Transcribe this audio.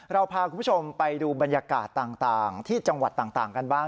เราพาคุณผู้ชมไปดูบรรยากาศต่างที่จังหวัดต่างกันบ้าง